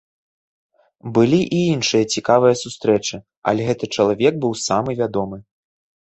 Былі і іншыя цікавыя сустрэчы, але гэты чалавек быў самы вядомы.